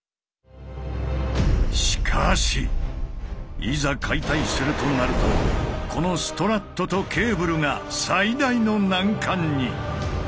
しかしいざ解体するとなるとこのストラットとケーブルが最大の難関に！